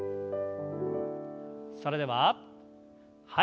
それでははい。